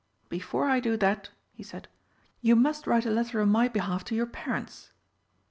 "Before I do that," he said, "you must write a letter on my behalf to your parents."